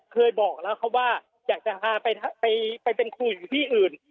เคยบอกแล้วครับว่าอยากจะพาไปเป็นครูอยู่ที่อื่น